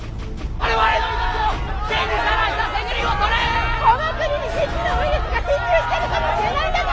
この国に未知のウイルスが侵入してるかもしれないんだぞ！